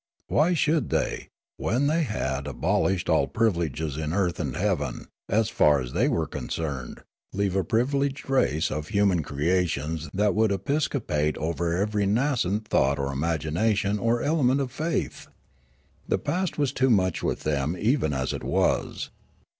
Why should they, when they had abol ished all privilege in earth and heaven, as far as they were concerned, leave a privileged race of human crea tions that would episcopate over every nascent thought 1 74 Riallaro or imagination or element of faith ? The past was too much with them even as it was.